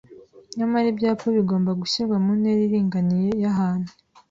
Nyamara ibyapa bigomba gushyirwa mu ntera iringaniye y ahantu